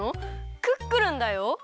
クックルンだよ？